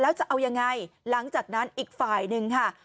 แล้วจะเอายังไงหลังจากนั้นอีกฝ่ายหนึ่งค่ะ